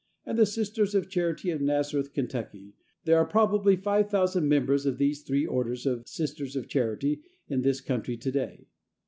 and the Sisters of Charity, of Nazareth, Ky. There are probably 5000 members of these three orders of Sisters of Charity in this country to day.